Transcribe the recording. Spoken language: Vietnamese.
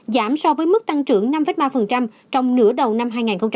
giảm so với mức tăng trưởng năm ba trong nửa đầu năm hai nghìn một mươi tám